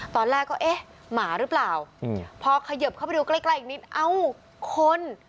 ตอนแรกก็เอ๊ะหมาหรือเปล่าพอเขยิบเข้าไปดูใกล้ใกล้อีกนิดเอ้าคน